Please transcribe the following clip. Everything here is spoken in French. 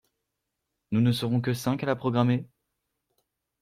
Nous ne serons que cinq à la programmer?